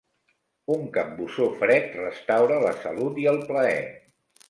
Un capbussó fred restaura la salut i el plaer.